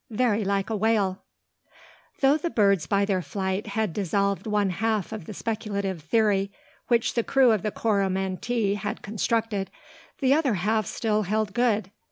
VERY LIKE A WHALE. Though the birds by their flight had dissolved one half of the speculative theory which the crew of the Catamaran had constructed, the other half still held good.